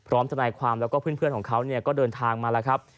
แล้วก็เพื่อนของเขาเนี่ยก็เดินทางมาแล้วครับ